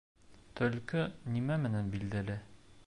Төлкө нимә менән билдәле?